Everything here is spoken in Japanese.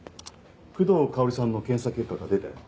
工藤香織さんの検査結果が出たよ。